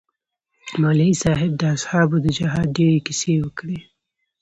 مولوي صاحب د اصحابو د جهاد ډېرې كيسې وكړې.